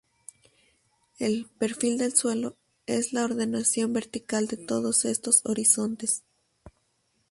El "perfil del suelo" es la ordenación vertical de todos estos horizontes.